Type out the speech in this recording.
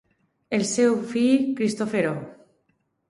El seu fill, Christopher O.